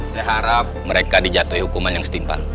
saya harap mereka dijatuhi hukuman yang setimpal